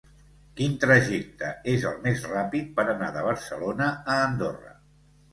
Quin trajecte és el més ràpid per anar de Barcelona a Andorra?